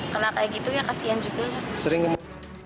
karena kayak gitu ya kasian juga